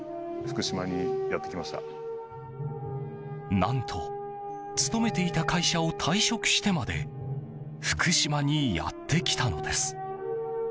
何と勤めていた会社を退職してまで福島にやってきたのです。